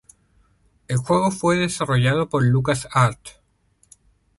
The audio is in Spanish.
El juego fue desarrollado por Lucas Arts.